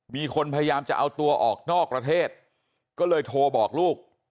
มีคนพยายามจะเอาตัวออกนอกประเทศก็เลยโทรบอกลูก